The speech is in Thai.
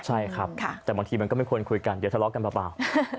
ใช่ครับแต่บางทีมันก็ไม่ควรคุยกันเดี๋ยวทะเลาะกันเบา